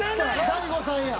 大悟さんや。